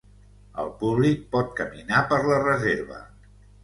El públic pot caminar per la reserva.